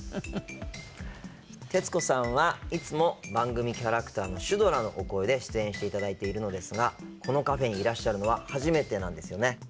徹子さんはいつも番組キャラクターのシュドラのお声で出演していただいているのですがこのカフェにいらっしゃるのは初めてなんですよね。